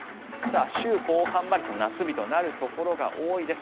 週後半まで夏日となるところが多いです。